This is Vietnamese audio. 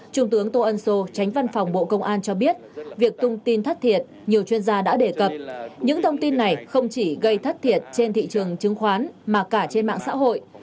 trung tướng tô ân sô tránh văn phòng bộ công an cho biết việc tung tin thất thiệt nhiều chuyên gia đã đề cập những thông tin này không chỉ gây thất thiệt trên thị trường chứng khoán mà cả trên mạng xã hội